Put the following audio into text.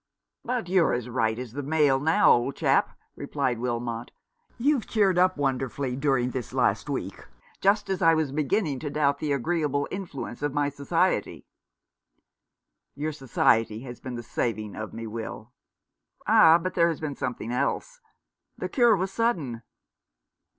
"But you're as right as the mail now, old chap," replied Wilmot. "You've cheered up wonderfully during this last week, just as I was beginning to doubt the agreeable influence of my society." " Your society has been the saving of me, Will." "Ah, but there has been something else. The cure was sudden."